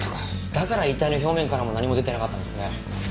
だから遺体の表面からも何も出てなかったんですね。